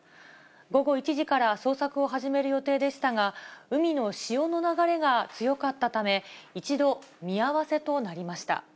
午後１時から捜索を始める予定でしたが、海の潮の流れが強かったため、一度、見合わせとなりました。